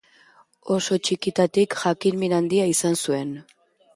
Oso txikitatik jakin-min handia izan zuen.